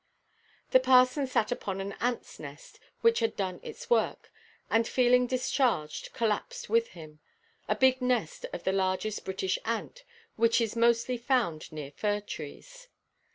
The parson sat upon an ants' nest, which had done its work, and feeling discharged, collapsed with him—a big nest of the largest British ant, which is mostly found near fir–trees.